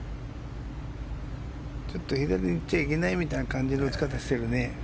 左いっちゃいけないみたいな感じの打ち方してるね。